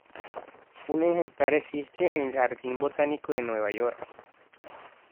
Un ejemplar existe en el Jardín Botánico de Nueva York.